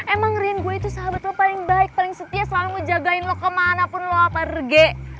emang rin gue itu sahabat lo paling baik paling setia selama gue jagain lo kemana pun lo pergi